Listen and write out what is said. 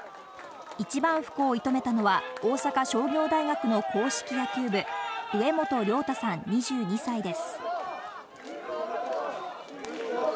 一番福を射止めたのは、大阪商業大学の硬式野球部・植本亮太さん、２２歳です。